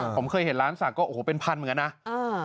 ผมเคยเห็นร้านสักก็โอ้โหเป็นพันเหมือนกันนะ